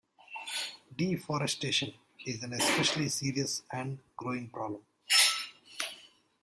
Deforestation is an especially serious and growing problem.